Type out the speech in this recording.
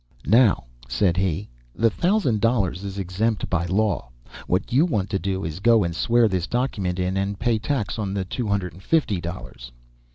"Now," said he, "the thousand dollars is exempt by law. What you want to do is to go and swear this document in and pay tax on the two hundred and fifty dollars."